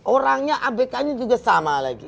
orangnya abk nya juga sama lagi